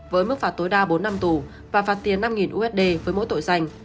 với mức phạt tối đa bốn năm tù và phạt tiền năm usd với mỗi tội danh